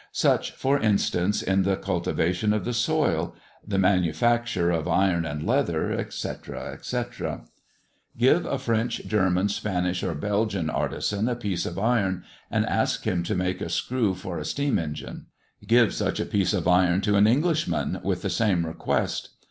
Such, for instance, in the cultivation of the soil, the manufacture of iron and leather, etc., etc. Give a French, German, Spanish, or Belgian artisan a piece of iron, and ask him to make a screw for a steam engine. Give just such a piece of iron to an Englishman, with the same request.